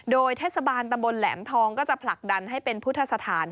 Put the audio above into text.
โดยเทศบาลตำบลแหลมทองก็จะผลักดันให้เป็นพุทธสถาน